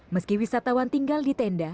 meski wisatawan tinggal di tenda